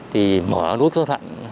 thì mở núi thoát hạn